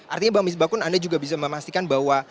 artinya mbak miss bakun anda juga bisa memastikan bahwa